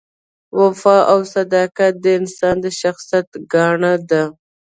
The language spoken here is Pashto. وفا او صداقت د انسان د شخصیت ګاڼه ده.